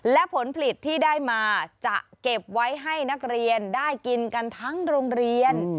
และผลผลิตที่ได้มาจะเก็บไว้ให้นักเรียนได้กินกันทั้งโรงเรียน